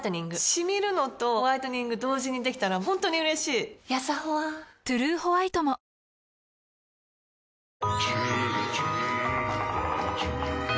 シミるのとホワイトニング同時にできたら本当に嬉しいやさホワ「トゥルーホワイト」も忙しいと胃にくるでしょ。